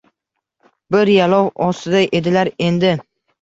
Bir yalov ostida edilar, endi